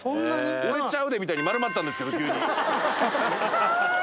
俺ちゃうでみたいに丸まったんですけど、急に。